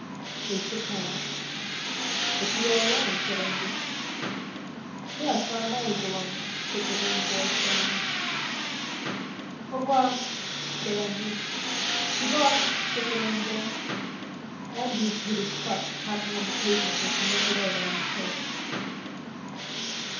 They shook hands. "But you are alone," said Andrews. "Yes, I am always alone," said the lame boy firmly. He held out his hand again. "Au revoir," said Andrews. "Good luck!" said the lame boy. Andrews heard his crutch tapping on the pavement as he went away along the quai.